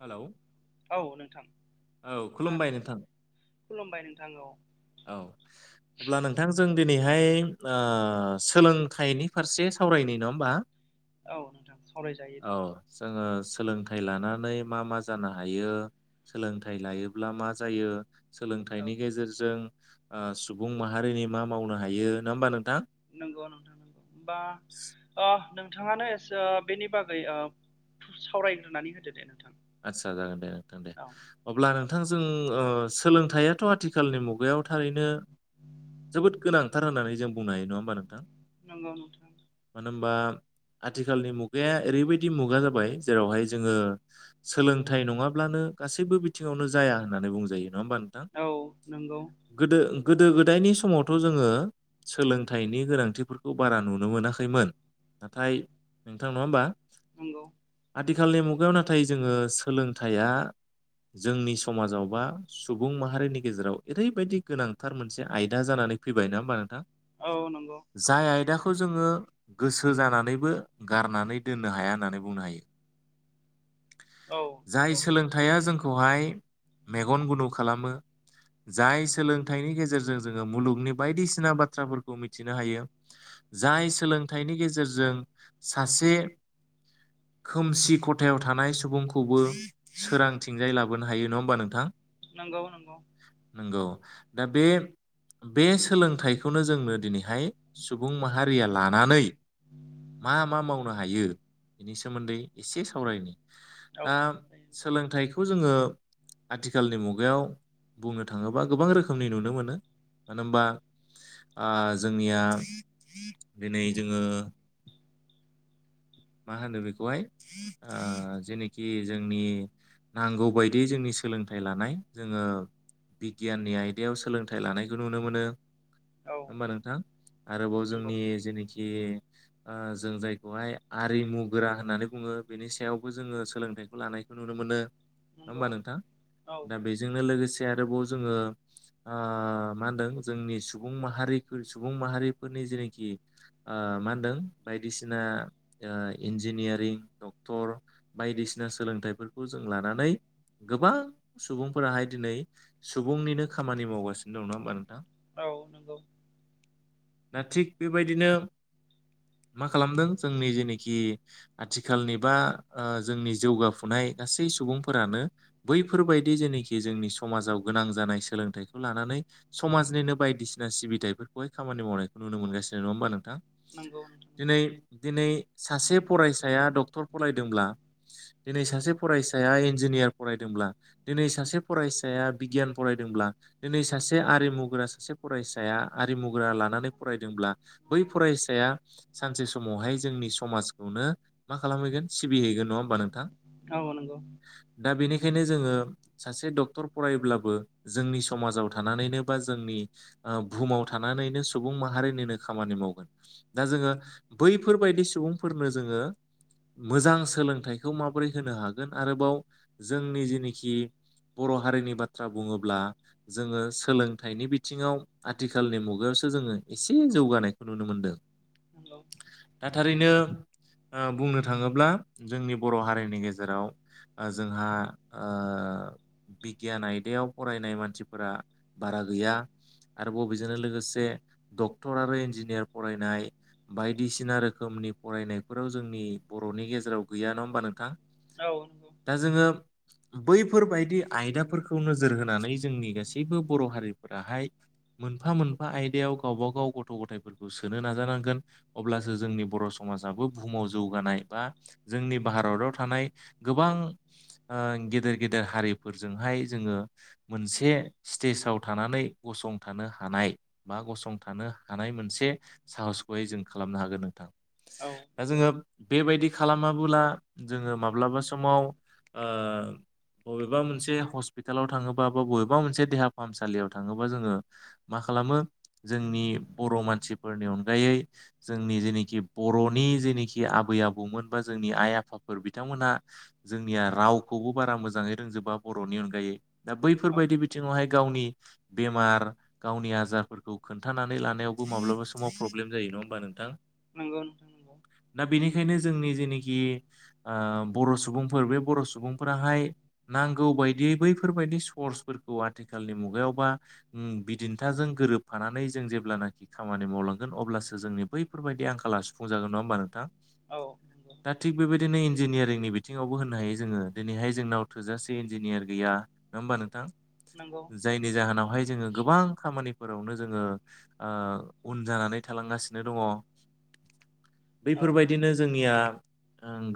Hello औ नोंथां औ खोनादों खुलुमबाय नोंथां। खुलुमबाय नोंथां औ औ अब्ला नोंथां जों दिनैहाय आ सोलोंथाइनि फारसे सावरायनाय नङा होमबा। औ नोंथां सावरायजायो दे औ जोङो सोलोंथाइ लानानै मा मा जानो हायो सोलोंथाइ लायोब्ला मा जायो। औ सोलोंथाइनि गेजेरजों ओ सुबुं माहारिनि मा मावनो हायो नङा होमबा नोंथां। नंगौ नोंथां बा आ नोंथाङानो एसो बेनि बागै आ सावरायग्रोनानै होदो दे नोंथां। चा जागोन दे नोंथां दे औ अब्लानो थां जों ओ सोलोंथाइाथ' आथिखालनि मुगायाव थारैनो जोबोद गोनांथार होननानै जों बुंनो हायो नङा होमबा नोंथां? नंगौ नोंथां। होमबा आथिखालनि मुगाया ओरैबायदि मुगा जाबाय जेरावहाय जोङो सोलोंथाइ नङाब्लानो गासैबो बिथिङावनो जाया होननानै बुंजायो। नङा होमबा नोंथां औ नंगौ गोदो गोदो गोदायनि समावथ' जोङो सोलोंथाइनि गोनांथिफोरखौ बारा नुनो मोनाखैमोन। नाथाय औ नोंथां नङा होमबा? नंगौ थिखालनि मुगायाव नाथाय जोङो सोलोंथाइया जोंनि समाजाव बा सुबुं माहारिनि गेजेराव ओरैबायदि गोनांथार मोनसे आयदा जाना नै फैबाय ना होमबा नोंथां औ नंगौ जाय आयदा खौ जोङो गोसो जानानैबो गारनानै दोननो हाया होननानै बुंनो हायो। औ जाय नंगौ सोलोंथाइया जोंखौहाय मेगन गुनु खालामो जाय सोलोंथाइनि गेजेरजों जोङो मुलुगनि बायदिसिना बाथ्राफोरखौ मिथिनो हायो। जाय सोलोंथाइनि गेजेरजों सासे खोमसि खथ थायाव थानाय सुबुंखौबो सोरांथिंजाय लाबोनो हायो नङा होमबा नोंथां? नंगौ नंगौ। नंगौ दा बे बे सोलोंथाइखौनो जोंनो दिनैहाय सुबुं माहारिया लानानै मा मा मावनो हायो बेनि सोमोन्दै एसे सावरायनि औ दा सोलोंथाइखौ जोङो आथिखालनि मुगायाव बुंनो थाङोबा गोबां रोखोमनि नुनो मोनो मानो होनबा आं जोंनिया दिनै जोङो मा होनो बेखौहाय आ जेनोखि जोंनि नांगौबायायदि जोंनि सोलोंथाइ लानाय जोङो बिगियाननि आयदायाव सोलोंथाइ लानायखौ नुनो मोनो। औ होमबा नोंथां आरोबाव नंगौ जोंनि जेनोखि आं जों जायखौहाय आरिमु गोरा होननानै बुङो। बेनि सायावबो जोङो सोलोंथाइखौ लानायखौ नुनो मोनो। नंगौ होमबा नोंथां औ दा बेजोंनो लोगोसे थे आरोबाव जोङो आ मा होनदों जोंनि सुबुं माहारिफोर सुबुं माहारिफोरनि जेनोखि मा होनदों बायदिसिना आ इन्जिनियारिं दक टर बायदिसिना सोलोंथाइफोरखौ जों लानानै गोबां सुबुंफोराहाय दिनै सुबुंनिनो खामानि मावगासिनो दं नङा होमबा नोंथां? औ नंगौ। दा थिग बेबायदिनो मा खालामदों जोंनि जेनोखि आथिखालनि बा ओ जोंनि जगफुनाय गासै सुबुंफोरानो बैफोरबायायदि जेनेखि जोंनि समाजाव गोनां जानाय सोलोंथाइखौ लानानै समाजनिनो बायदिसिना सिबिथायफोरखौहाय खामानि मावनायखौ नुनो मोनगासिनो नङा होनबा नोंथां नंगौ नोंथां दिनै नंगौ दिनै सासे फरायसाया ड फरायदोंब्ला दिनै सासे फरायसाया इन्जिनियार फरायदोंब्ला दिनै सासे फरायस बिगियान फरायदोंब्ला दिनै सासे आरिमुग्रा सासे फरायसाया आरिमुग्रा लानानै फराय फरायदोंब्ला बै फरायसाया सानसे समावहाय जोंनि समाजखौनो मा खालामैगोन सिबि हैगोन नङा होमबा नोंथां ओ नंगौ बेखायनो जोङो सासे डक्टर फरायायोब्लाबो जोंनि समाजाव थानानैनो बा जोंनि बुहुमाव थानानैनो सुबुं माहारिनिनो खामानि मावगोन दा जोङो बैफोरबायदि सुबुं सुबुंफोरनो जोङो मोजां सोलोंथाइखौ माबोरै होनो हागोन आरोबाव जोंनि जेनेखि बर' हारिनि बाथ्रा बुङोब्ला जोङो सोलोंथाइनि बिथिङाव आथिखालनि मुगायाव जोङो एसे जौगानायखौ नुनो मोनदों नंगौ दा थारैनो ओ बुंनो थाङोब्ला जोंनि बर' हारिनि गेजेराव जोंहा ओ बिगियान आयदायाव फरायनाय मानसिफोरा बारा गैया आरोबाव बेजोंनो लोगोसे डक्टर आरो इन्जिनियार फरायनाय बायदिसिना रोखोमनि फरायनाय फोराव जोंनि बर'नि गेजेराव गैया नङा होमबा नोंथां औ नंगौ दा जोङो बैफोरबायायदि आयदाफोरखौ नोजोर होनानै जोंनि गासैबो बर' हारिफोराहाय मोनफा मोनफा आयदायाव गावब गाव गथ' गथायफोरखौ सोनो नाजानांगोन अब्लासो जोंनि बर' समाज बहुमाव जौगानाय बा जोंनि भारताव थानाय गोबां ओ गे गेदेर गेदेर हारिफोरजोंहाय जोङो मोनसे स्टेसाव थानानै गसंथानो हा हानाय बा गसंथानो हानाय मोनसे साहसखौहाय जों खालामनो हागोन नोंथां औ नंगौ दा जोङो औ बेबायदि खालामाबोला जोङो माब्लाबा समाव ओ बबेबा मोनसे हस्पिटालाव थाङोबाबो बबेबा मोनसे देहा फाहामसालियाव थाङोबा जोङो मा खालाम खालामो जोंनि बर' मानसिफोरनि अनगायै जोंनि जेनोखि बर'नि जेनिखि आबै आबौमोन बा जोंनि आइ आफाफोर बिथांमोनहा जोंनिया रावखौ बो बारा मोजांयै रोंजोबा बर'नि अनगायै दा बैफोरबायदि बिथिङावहाय वाय गावनि बेमार गावनि आजारफोरखौ खोन्थानानै लानायावबो माब्लाबा समाव प्रब्लेम जायो न होनबा नोंथां नंगौ नोंथां नंगौ दा बेनिखायनो जोंनि जेनोखि ओ बर' सुबुंफोर बे बर' सुबुंफोराहाय नांगौ बायदियै बैफोरबायादि सर्सफोर आथिखालनि मुगायावबा बिदिन्थाजों गोरोबफानानै जों जेब्लानाखि खामानि मावलां अब्लासो जोंनि बैफोरबायदि आंखाला सुफुं जागोन नङा होमबा नोंथां औ दिनै इन्जिनियारिंनि बिथिङावबो होन्नो हायो जोङो दिनैहाय जोंनाव थोजासे इन्जिनियार गैया नङा होमबा नोंथां नंगौ जायनि जाहोनावहाय जोङो गोबां खामानि फोरावनो जोङो ओ उन जानानै थालांगासिनो दङ औ बैफोरबायदिनो जोंनिया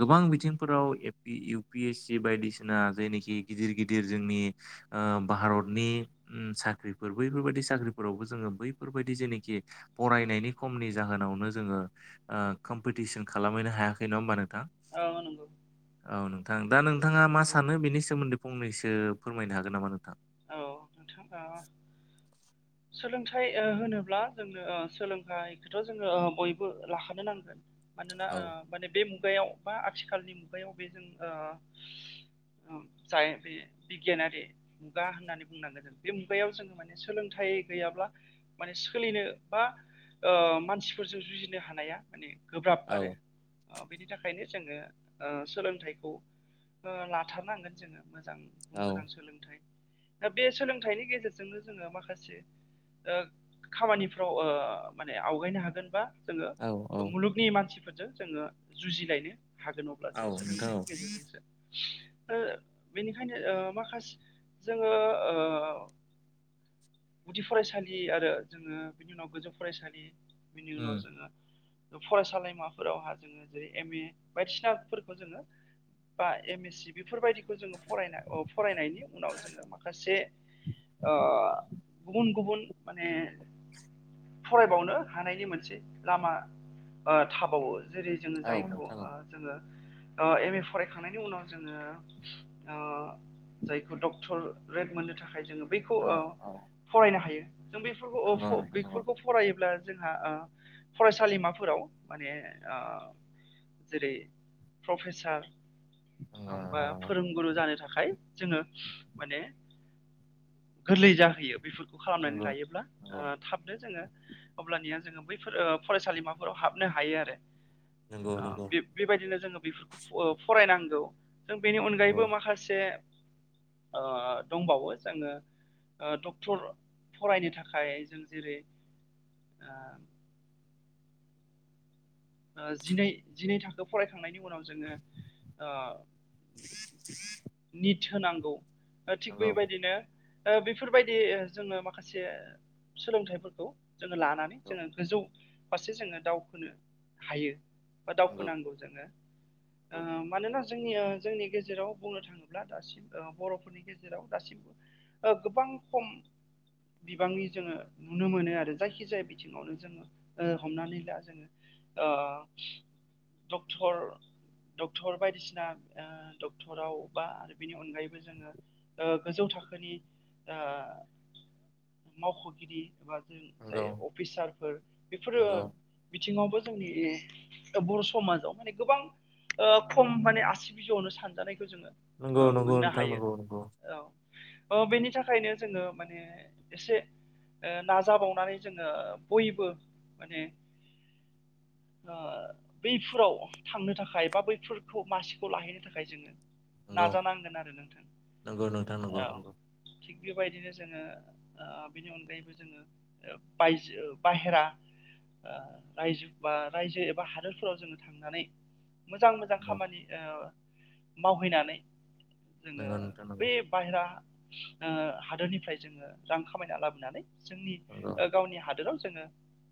गोबां बिथिंफोराव‌ एफि इउ पि एस सि बायदिसिना जायनिखि गिदिर गिदिर जों -नि ओ भारतनि साख्रिफोर बैफोरबायदि साख्रिफोराव जोङो बैफोरबायदि -नेखि फरायनायनि खमनि जाहोनावनो जोङो ओ कम्पिटिसन खालामहैनो हायाखै नङा होमबा नोंथां औ नंगौ औ नों नोंथां दा नोंथाङा मा सानो बेनि सोमोन्दै फंनैसो फोरमायनो हागोन नामा नोंथां औ नोंथां ओ सोलों -थाइ ओ होनोब्ला जोंनो सोलोंथाइखौथ' जोङो ओ बयबो लाखानो नांगोन मानोना औ ओ माने बे मुगायाव बा आथिखालनि मुगायाव बे जों ओ बिगियानारि गा होननानै बुंनांगोन जों। बे मुगायाव जोङो माने सोलोंथाइ गैयाब्ला माने सोलिनो बा ओ मानसिफोरजों जुजिनो हानाया माने गोब्राब औ आरो। अ' बिनि थाखायनो जोङो, ओ सोलोंथाइखौ लाथारनांगोन जोङो। मोजां गुन औ गोनां सोलोंथाइ। दा बे सोलोंथाइनि गेजेरजोंनो जोङो माखासे ओ खामानिफ्राव ओ माने आवगायनो हागोनबा जोङो औ औ मुलुगनि मानसिफोरजों जोङो जुजिलायनो हागोन औ अब्लासो नोंथां औ सोलोंथाइनि गेजेरजोंसो ओ बेनिखायनो ओ माखास जोङो ओ गुदि फरायसालि आरो जोङो बिनि उनाव गोजौ फरायसालि। बिनि उम उनाव जोङो ओ फरायसालिमाफोरावहा जोङो जेरै एम ए बायदिसिनाफोरखौ जोङो। बा एम एस सि बेफोरबायदिखौ जोङो फराय फरायनायनि उनाव जोङो माखासे ओ गुबुन गुबुन माने फरायबावनो हानायनि मोनसे लामा ओ थाबावो। जेरै जोङो औ जायखौ नोंथां औ आ जोङो ओ एम ए फरायखांनायनि उनाव जोङो ओ जाय फोर डक्टर रेड मोननो थाखाय जोङो बैखौ औ ओ औ फरायनो हायो। जों बैफोरखौ अफ नंगौ नोंथां नंगौ नंगौ बैफोरखौ फरायोब्ला। जोंहा ओ फरायसालिमाफोराव माने ओ जेरै प्रफेसार आमबा नोंथां नंगौ। फोरोंगुरु जानो थाखाय जोङो। माने गोरलै जाहैयो। बेफोरखौ खालामनानै नंगौ लायोब्ला आ थाबनो जोङो अब्लानिया जोङो बैफोर ओ फसालिमाफोराव हाबनो हायो आरो। नंगौ आ नंगौ बे-बेबायदिनो जोङो बेफोरखौ अ फरायनांगौ नों बेनि नंगौ अनगायैबो माखासे ओ दंबावो जोङो। ओ डक्टर फरायनो थाखाय जों जेरै आ ओ जिनै जिनै थाखो फरायखांनायनि उनाव जोङो ओ निथ होनांगौ। ओ थिग नंगौ बेबायदिनो ओ बेफोरबायदि ओ जोङो माखासे सोलोंथाइफोरखौ जोङो लानानै जोङो गोजौ फारसे जोङो दावखोनो हायो। बा नंगौ दावखोनांगौ जोङो। ओ मानोना जोंनिया जोंनि गेजेराव बुंनो थाङोब्ला दासिम ऐ बर'फोरनि गेजेराव दासिमबो ओ गोबां खम [inaudible] बिबांनि जोङो नुनो मोनो आरो। जायखि जाया बिथिङावनो जोङो ओ हमनानै ला जोङो। आ डक्टर डक्टर बायदिसिना ओ डक्टराव बा आरो बेनि अनगायैबो जोङो ओ गोजौ थाख थाखोनि आ मावख'गिरि एबा ओं जाय नंगौ अफिसारफोर बेफोरो नंगौ बिथिङावबो जोंनि बर' समाजाव माने गोबां ओ खम माने आसि बिजौआवनो सानजानाय खौ जोङो नंगौ नंगौ ओ मोननो नोंथां हायो। नंगौ नंगौ ओ ओ बेनि थाखायनो जोङो माने एसे ओ नाजाबावनानै जोङो बयबो माने ओ बैफोराव थांनो थाखाय बा बैफोरखौ मासिखौ लाहैनो थाखाय जोङो। नाजानांगोन आरो नोंथां। नंगौ नंगौ नोंथां नंगौ औ नंगौ थिग बेबायदिनो जोङो ओ बिनि अनगायैबो जोङो ओ बायजो बाहेरा आ आयजो बा रायजो एबा हादोरफोराव जोङो थांनानै मोजां मोजां खामानि ओ मावहैनानै जोङो नंगौ नोंथां बे नंगौ बायेरा हादोरनिफ्राय जोङो रां खामायना लाबोनानै जोंनि गावनि हादोराव। जोङो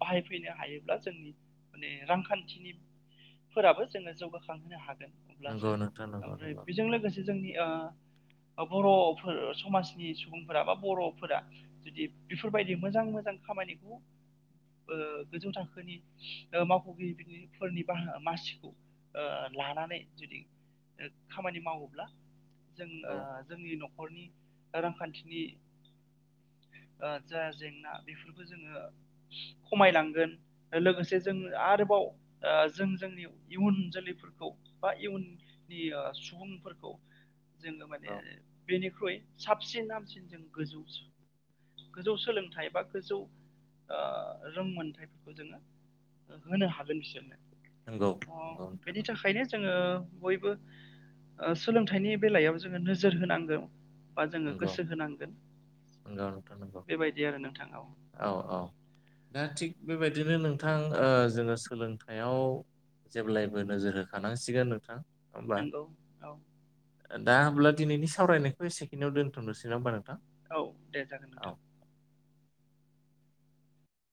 बाहायफैनो हायोब्ला जोंनि माने रांखान्थिनिफोराबो जोङो जौगाखांहोनो हागोन। अब्लासो नंगौ नंगौ नोंथां नंगौ ओमफ्राय नंगौ बेजों लोगोसे जोंनि बर'फोर समाजनि सुबुंफोरा बा बर'फोरा जुदि बेफोरबायदि मोजां मोजां खामानिखौ गोजौ थाखोनि मावख'गिरि फोरनि बाह मासिखौ लानानै जुदि खामानि मावोब्ला जों जोंनि न'खर न'खरनि रांखान्थिनि जा जेंना बेफोरबो जोङो खमायलांगोन लोगोसे जों आरोबाव जों जोंनि इयुन जोलैफोरखौ बा इयुन नि सुबुंफोरखौ जोङो माने बेनिख्रुइ साबसिन हामसिन जों गोजौसिन गोजौ सोलोंथाइ बा गोजौ रोंमोनथाइफोरखौ जोङो होनो हागोन बिसोरनो नंगौ नंगौ अ नंगौ नोंथां बेनि नंगौ थाखायनो जोङो बयबो सोलोंथाइनि बेलायाव जोङो नोजोर होनांगौ। बा जोङो नंगौ गोसो होनांगोन नंगौ नोंथां नंगौ बेबायदि आरो नोंथां औ। औ औ दा थिग बेबायदिनो नोंथां जोङो सोलोंथायाइयाव जेब्लायबो नोजोर होखानांसिगोन नोंथां। होमबा नंगौ औ दा होमब्ला दिनैनि सावरायनायखौ एसेखि्आव दोनथ'नोसै ना ह होनबा? औ दे जागोन नोंथां।